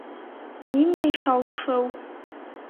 Ниндәй шау-шыу?